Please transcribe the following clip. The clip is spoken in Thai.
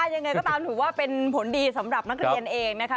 ยังไงก็ตามถือว่าเป็นผลดีสำหรับนักเรียนเองนะคะ